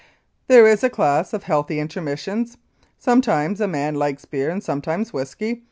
There is a class of healthy intermissions. Some times a man likes beer and sometimes whisky.